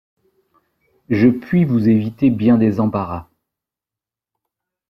Je puis vous éviter bien des embarras...